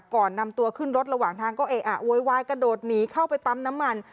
ก่อนนำตัวขึ้นรถระหว่างทางก็เออะโวยวายกระโดดหนีเข้าไปปั๊มน้ำมัน